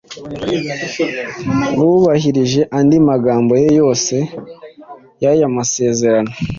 Wubahirije andi magambo yose yaya masezerano